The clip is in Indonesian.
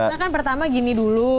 karena kan pertama gini dulu